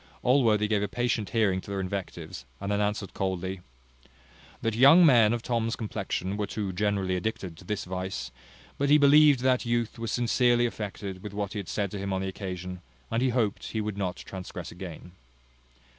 Allworthy gave a patient hearing to their invectives, and then answered coldly: "That young men of Tom's complexion were too generally addicted to this vice; but he believed that youth was sincerely affected with what he had said to him on the occasion, and he hoped he would not transgress again."